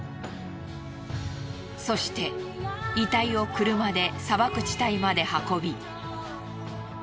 そして遺体を車で砂漠地帯まで運び。